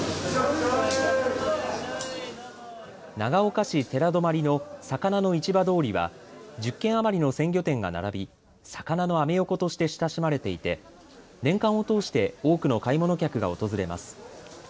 長岡市寺泊の魚の市場通りは１０軒余りの鮮魚店が並び魚のアメ横として親しまれていて年間を通して多くの買い物客が訪れます。